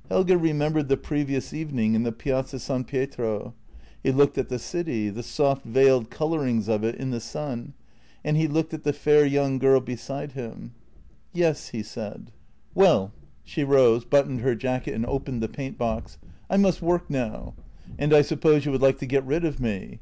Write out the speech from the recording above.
" Helge remembered the previous evening in the piazza San Pietro; he looked at the city, the soft veiled colourings of it in the sun, and he looked at the fair young girl beside him. JENNY 47 " Yes," he said. "Well "— she rose, buttoned her jacket, and opened the paint box —" I must work now." " And I suppose you would like to get rid of me?"